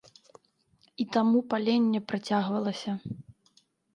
І таму паленне працягвалася.